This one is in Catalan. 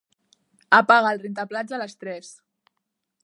Apaga el rentaplats a les tres.